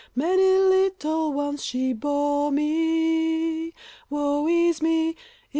Many little ones she bore me, Woe is me!